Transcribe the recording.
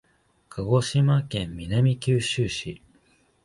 鹿児島県南九州市